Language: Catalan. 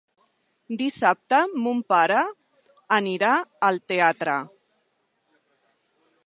Dissabte mon pare anirà al teatre.